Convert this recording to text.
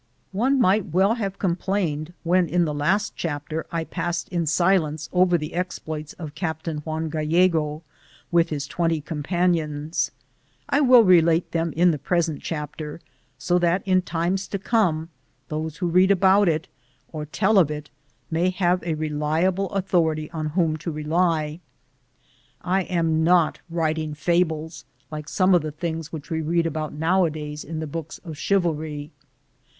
One might well have complained when in the last chapter I passed in silence over the exploits of Captain Juan Gallego with his 20 companions. I will relate them in the present chapter, so that in times to come those who read about it or tell of it may have a reliable authority on whom to rely. I am not writing fables, like some of the things which we read about nowadays in the books of chivalry.